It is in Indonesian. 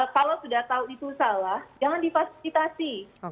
kalau sudah tahu itu salah jangan difasilitasi